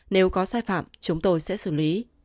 nếu có sai phạm chúng tôi sẽ xử lý